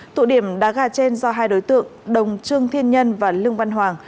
tụ điểm đá gà trên do hai đối tượng đồng trương thiên nhân và lương văn hoàng